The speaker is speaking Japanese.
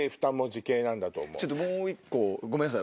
ちょっともう１個ごめんなさい。